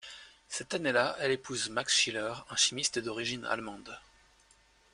Cette année-là, elle épouse Max Schiller, un chimiste d'origine allemande.